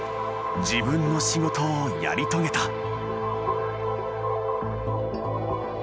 自分の仕事をやり遂げた。